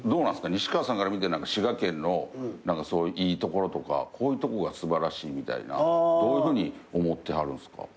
西川さんから見て滋賀県のいいところとかこういうとこが素晴らしいみたいなどういうふうに思ってはるんすか？